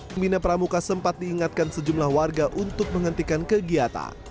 pembina pramuka sempat diingatkan sejumlah warga untuk menghentikan kegiatan